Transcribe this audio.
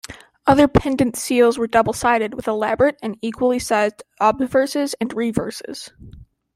Other pendent seals were double-sided, with elaborate and equally-sized obverses and reverses.